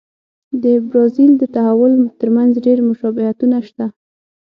د برازیل د تحول ترمنځ ډېر مشابهتونه شته.